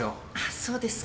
そうですか。